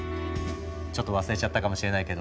ちょっと忘れちゃったかもしれないけど